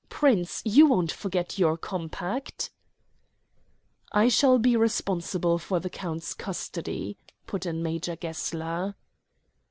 Prince, you won't forget our compact?" "I shall be responsible for the count's custody," put in Major Gessler.